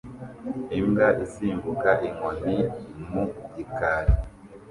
Imbwa isimbuka inkoni mu gikari